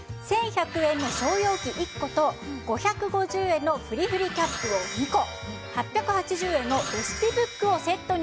１１００円の小容器１個と５５０円のふりふりキャップを２個８８０円のレシピブックをセットにして。